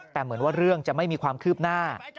แต่เหมือนว่าเรื่องจะไม่มีความคืบหน้า